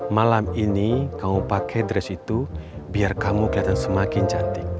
malam ini kamu pakai dress itu biar kamu kelihatan semakin cantik